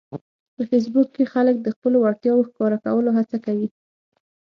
په فېسبوک کې خلک د خپلو وړتیاوو ښکاره کولو هڅه کوي